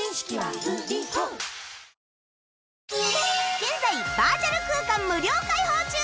現在バーチャル空間無料開放中！